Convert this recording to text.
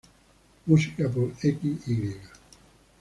Música por Xy.